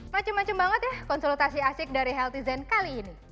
macem macem banget ya konsultasi asik dari healthy zen kali ini